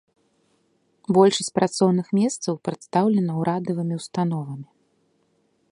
Большасць працоўных месцаў прадастаўлена ўрадавымі ўстановамі.